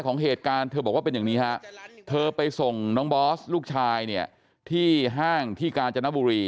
ของเหตุการณ์เธอบอกว่าเป็นอย่างนี้ฮะเธอไปส่งน้องบอสลูกชายเนี่ยที่ห้างที่กาญจนบุรี